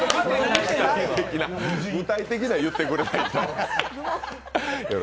具体的な言ってくれないと。